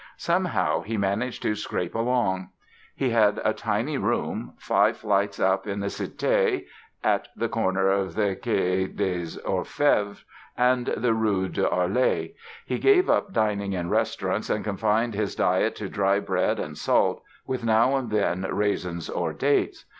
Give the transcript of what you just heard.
Somehow he managed to scrape along. He had a tiny room, five flights up, in the Cité, at the corner of the Quai des Orfèvres and the Rue de Harley; he gave up dining in restaurants and confined his diet to dry bread and salt, with now and then raisins or dates.